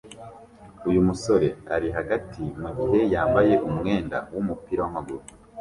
Uyu musore ari hagati mugihe yambaye umwenda wumupira wamaguru